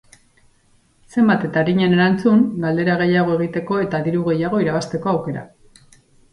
Zenbat eta arinen erantzun, galdera gehiago egiteko eta diru gehiago irabazteko aukera.